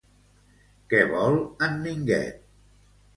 Què vol en Minguet?